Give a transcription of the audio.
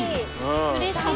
うれしい。